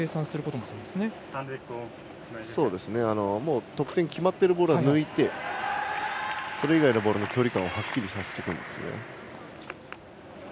もう、得点が決まっているボールは抜いてそれ以外のボールの距離感をはっきりさせておくんです。